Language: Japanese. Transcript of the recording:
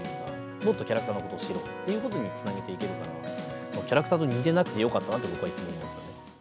もっとキャラクターのことを知ろうっていうことにつなげていけるから、キャラクターと似てなくてよかったなと、僕はいつも思ってます。